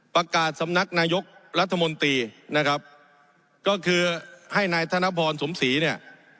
สำนักนายกรัฐมนตรีนะครับก็คือให้นายธนพรสมศรีเนี่ย